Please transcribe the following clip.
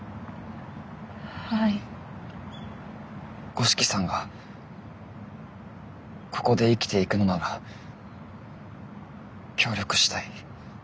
五色さんがここで生きていくのなら協力したい。